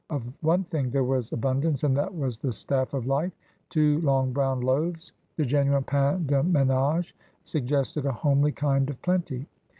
Of one thing there was abundance, and that was the stafE of life. Two long brown loaves — the genuine ^;a«K de menatje — suggested a homely kind of plenty.